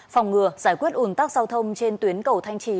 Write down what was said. phòng ngừa giải quyết ủn tắc giao thông trên tuyến cầu thanh trì